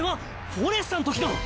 フォレスタの時の。